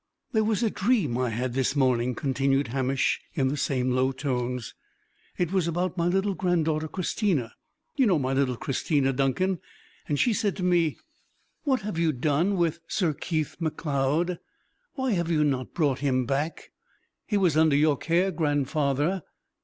"There was a dream I had this morning," continued Hamish, in the same low tones. "It was about my little granddaughter Christina. You know my little Christina, Duncan. And she said to me, 'What have you done with Sir Keith Macleod? Why have you not brought him back? He was under your care, grandfather.'